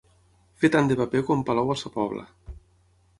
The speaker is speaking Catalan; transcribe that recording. Fer tant de paper com en Palou a sa Pobla.